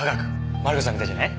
マリコさんみたいじゃない？